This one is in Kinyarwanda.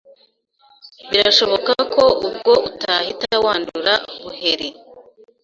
Birashoboka ko ubwo utahita wandura buheri